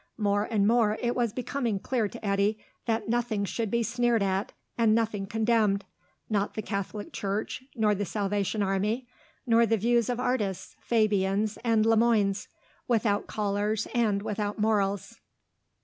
More and more it was becoming clear to Eddy that nothing should be sneered at and nothing condemned, not the Catholic Church, nor the Salvation Army, nor the views of artists, Fabians, and Le Moines, without collars and without morals.